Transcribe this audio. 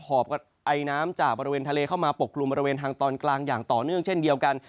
อบไอน้ำจากบริเวณทะเลเข้ามาปกกลุ่มบริเวณทางตอนกลางอย่างต่อเนื่องเช่นเดียวกัน